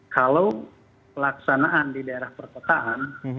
kalau pelaksanaan di daerah perkotaan